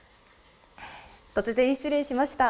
突然失礼しました。